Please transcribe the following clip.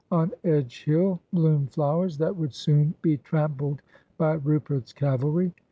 On Edgehill bloomed flowers that would soon be trampled by Rupert's cavalry.